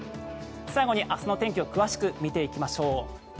最後に明日の天気を詳しく見ていきましょう。